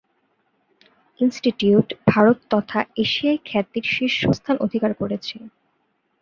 ইনস্টিটিউটটি ভারত তথা এশিয়ায় খ্যাতির শীর্ষস্থান অধিকার করেছে।